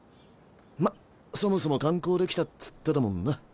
まっそもそも観光で来たっつってたもんな。